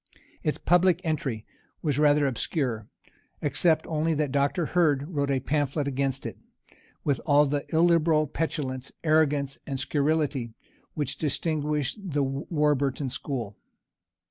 Its public entry was rather obscure, except only that Dr. Hurd wrote a pamphlet against it, with all the illiberal petulance, arrogance, and scurrility, which distinguish the Warburtonian school.